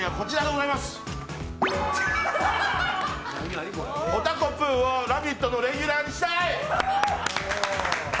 おたこぷーを「ラヴィット！」のレギュラーにしたい！